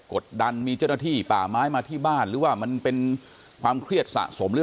กดดันมีเจ้าหน้าที่ป่าไม้มาที่บ้านหรือว่ามันเป็นความเครียดสะสมหรือ